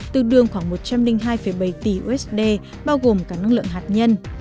từ đường khoảng một trăm linh hai bảy tỷ usd bao gồm cả năng lượng hạt nhân